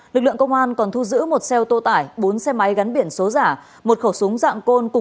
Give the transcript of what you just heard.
lực lượng công an còn thu giữ một xe ô tô tải bốn xe máy gắn biển số giả một khẩu súng dạng côn cùng năm viên đạn